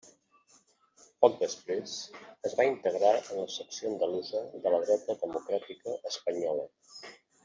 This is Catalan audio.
Poc després es va integrar en la secció andalusa de la Dreta Democràtica Espanyola.